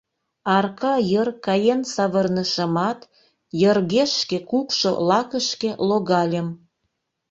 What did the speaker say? арка йыр каен савырнышымат, йыргешке кукшо лакышке логальым;